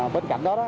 bên cạnh đó